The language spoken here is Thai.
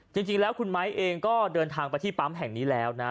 จริงแล้วคุณไม้เองก็เดินทางไปที่ปั๊มแห่งนี้แล้วนะ